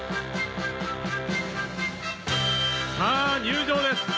さぁ入場です。